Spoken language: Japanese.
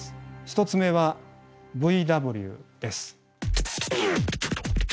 １つ目はＶＷです。